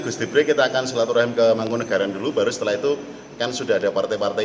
gusti break kita akan selatu rem ke manggunagaran dulu baru setelah itu kan sudah ada partai partai